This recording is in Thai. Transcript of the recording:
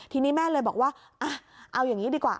ทีนี้แม่เลยบอกว่าเอาอย่างนี้ดีกว่า